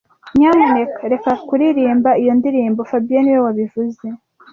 Nyamuneka reka kuririmba iyo ndirimbo fabien niwe wabivuze